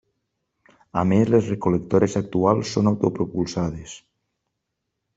A més les recol·lectores actuals són autopropulsades.